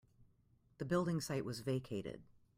The building site was vacated.